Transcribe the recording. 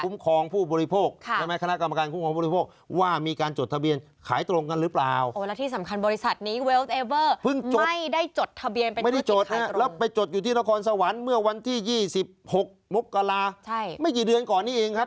เมื่อวันที่๒๖มกลาไม่กี่เดือนก่อนนี้เองครับ